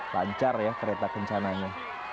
lancar ya kereta kencananya